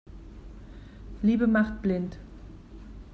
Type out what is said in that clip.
Liebe macht blind.